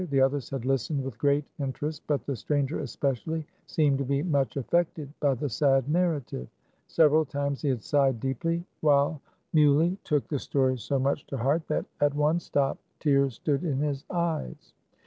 The others had listened with great inter est ; but the stranger, especially, seemed to be much affected by the sad narrative. Several times he had sighed deeply, while Muley took the story so much to heart, that, at one stop, tears stood in his eyes.